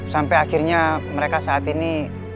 sampai akhirnya mereka saat ini